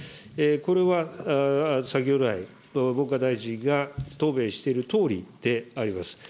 これは先ほど来、文科大臣が答弁しているとおりであります。